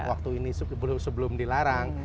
waktu ini sebelum dilarang